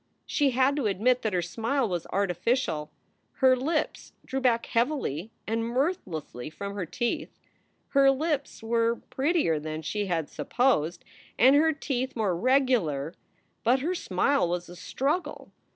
She had to admit that her smile was artificial; her lips drew back heavily and mirthlessly from her teeth. Her lips were prettier than she had supposed, and her teeth more regular, but her smile was a struggle.